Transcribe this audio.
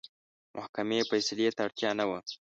محکمې فیصلې ته اړتیا نه وه.